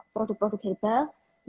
produk produk herbal itu